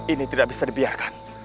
ini tidak bisa dibiarkan